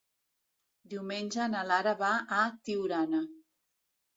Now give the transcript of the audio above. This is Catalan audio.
Diumenge na Lara va a Tiurana.